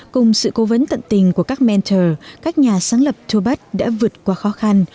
cùng sự cố vấn tận tình của các mentor các nhà sáng lập tobe đã vượt qua khó khăn